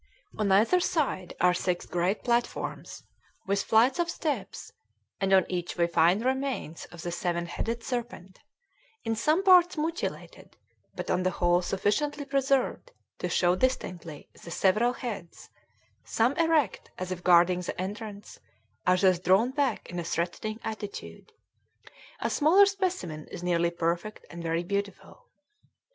On either side are six great platforms, with flights of steps; and on each we find remains of the seven headed serpent, in some parts mutilated, but on the whole sufficiently preserved to show distinctly the several heads, some erect as if guarding the entrance, others drawn back in a threatening attitude. A smaller specimen is nearly perfect and very beautiful.